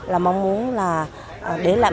là mong muốn là để lại